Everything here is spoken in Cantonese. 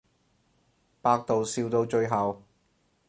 百度笑到最後